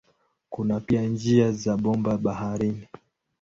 Kuna pia njia za bomba baharini.